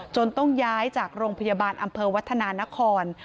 ต้องย้ายจากโรงพยาบาลอำเภอวัฒนานคร